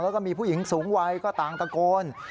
แล้วก็มีผู้หญิงสูงวัยก็ต่างตะโกน